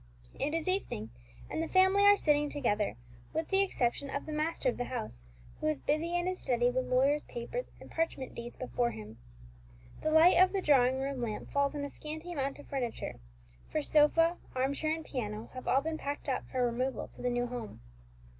It is evening, and the family are sitting together, with the exception of the master of the house, who is busy in his study with lawyers' papers and parchment deeds before him. The light of the drawing room lamp falls on a scanty amount of furniture; for sofa, arm chair, and piano have all been packed up for removal to the new home.